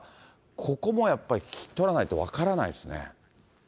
ここもやっぱり聞き取らないと分からないですね。